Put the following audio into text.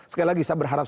sekali lagi saya berharap